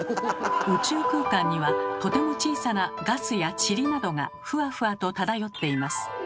宇宙空間にはとても小さなガスやちりなどがふわふわと漂っています。